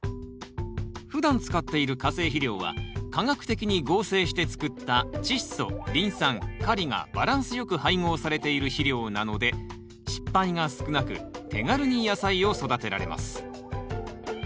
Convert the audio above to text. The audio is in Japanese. ふだん使っている化成肥料は化学的に合成して作ったチッ素リン酸カリがバランスよく配合されている肥料なので失敗が少なく手軽に野菜を育てられます。